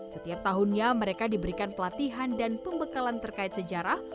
setiap tahunnya mereka diberikan pelatihan dan pembekalan terkait sejarah